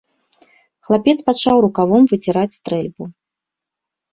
Хлапец пачаў рукавом выціраць стрэльбу.